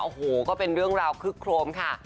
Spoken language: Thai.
โอ้โหก็เป็นเรื่องราวคึกโครมค่ะ